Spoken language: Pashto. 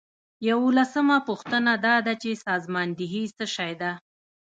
یوولسمه پوښتنه دا ده چې سازماندهي څه شی ده.